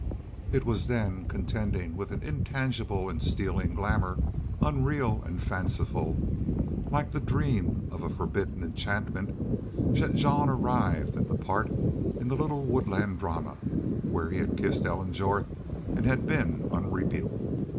It was then contending with an intangible and stealing glamour, unreal and fanciful, like the dream of a forbidden enchantment that Jean arrived at the part in the little woodland drama where he had kissed Ellen Jorth and had been unrebuked.